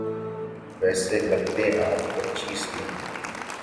ویسے لگتے آپ پچیس کے ہیں۔